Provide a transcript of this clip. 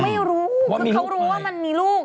ไม่รู้คือเขารู้ว่ามันมีลูก